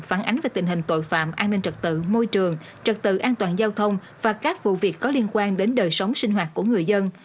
phản ánh về tình hình tội phạm an ninh trật tự môi trường trật tự an toàn giao thông và các vụ việc có liên quan đến đời sống sinh hoạt của người dân